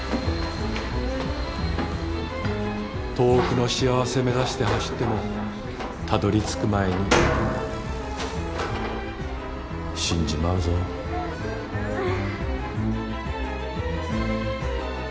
遠くの幸せ目指して走ってもたどり着く前に死んじまうぞうう。